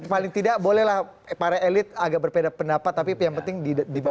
paling tidak bolehlah para elit agak berbeda pendapat tapi yang penting di bawah